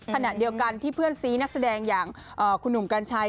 ขณะเดียวกันที่เพื่อนซีนักแสดงอย่างคุณหนุ่มกัญชัย